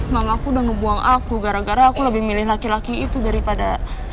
mama aku udah ngebuang aku gara gara aku lebih milih laki laki itu daripada